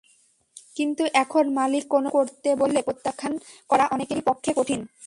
কিন্তু এখন মালিক কোনো কিছু করতে বললে প্রত্যাখ্যান করা অনেকের পক্ষেই কঠিন।